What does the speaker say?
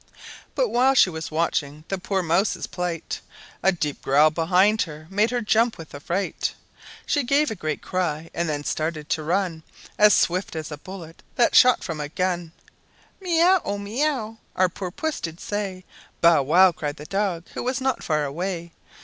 But while she was watching the poor mouse's plight, A deep growl behind made her jump with affright; She gave a great cry, and then started to run As swift as a bullet that's shot from a gun! "Meow! Oh, meow!" our poor Puss did say; "Bow wow!" cried the dog, who was not far away.